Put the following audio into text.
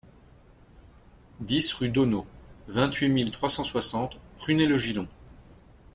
dix rue d'Auneau, vingt-huit mille trois cent soixante Prunay-le-Gillon